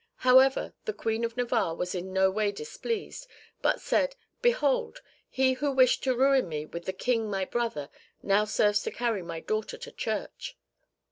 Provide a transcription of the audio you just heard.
However, the Queen of Navarre was in no way displeased, but said, 'Behold! he who wished to ruin me with the King my brother now serves to carry my daughter to church.